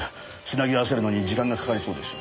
繋ぎ合わせるのに時間がかかりそうです。